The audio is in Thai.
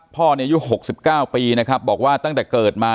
พ่ออายุ๖๙ปีนะครับบอกว่าตั้งแต่เกิดมา